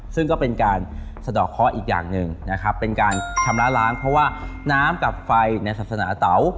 ซึ่งก็เป็นการสะดอกเคาะอีกอย่างหนึ่งนะครับเป็นการชำระล้างเพราะว่าน้ำกับไฟในศาสนาเตา